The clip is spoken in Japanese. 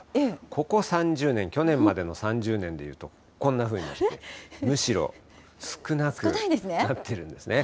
ここ３０年、去年までの３０年でいうと、こんなふうに、むしろ少なくなっているんですね。